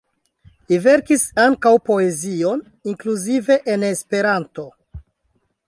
Li verkis ankaŭ poezion, inkluzive en Esperanto.